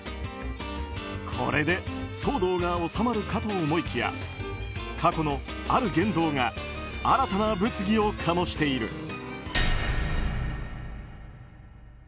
これで騒動が収まるかと思いきや過去のある言動が新たな物議を醸している。